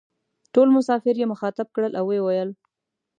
ټول مسافر یې مخاطب کړل او وې ویل: